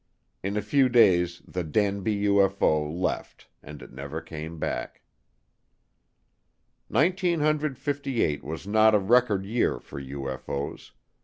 In a few days the Danby UFO left and it never came back. Nineteen hundred fifty eight was not a record year for UFO's.